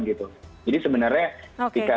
gitu jadi sebenarnya